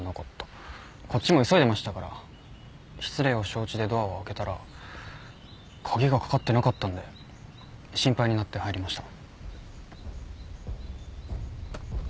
こっちも急いでましたから失礼を承知でドアを開けたら鍵がかかってなかったんで心配になって入りました。